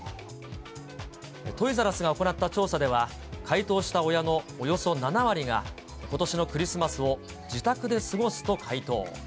トイザらスが行った調査では、回答した親のおよそ７割が、ことしのクリスマスを自宅で過ごすと回答。